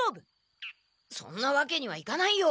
そんなわけにはいかないよ！